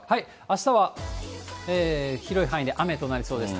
あしたは、広い範囲で雨となりそうです。